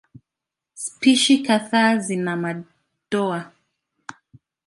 Spishi kadhaa zina madoa.